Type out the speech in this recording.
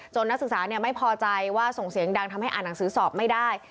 นักศึกษาไม่พอใจว่าส่งเสียงดังทำให้อ่านหนังสือสอบไม่ได้